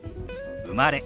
「生まれ」。